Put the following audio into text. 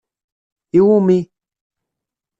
I wumi?